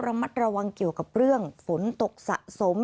ระมัดระวังเกี่ยวกับเรื่องฝนตกสะสม